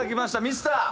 ミスター。